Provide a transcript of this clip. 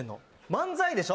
漫才でしょ？